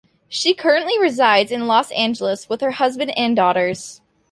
She currently resides in Los Angeles with her husband and daughters.